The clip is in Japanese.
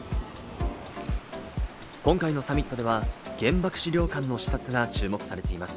今回のサミットでは原爆資料館の視察が注目されています。